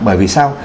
bởi vì sao